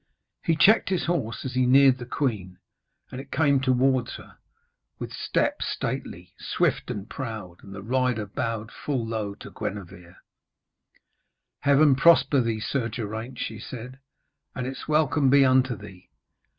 He checked his horse as he neared the queen, and it came towards her with step stately, swift and proud, and the rider bowed full low to Gwenevere. 'Heaven prosper thee, Sir Geraint,' she said. 'And its welcome be unto thee.'